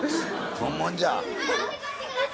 本物じゃ。